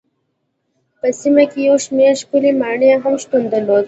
په سیمه کې یو شمېر ښکلې ماڼۍ هم شتون درلود.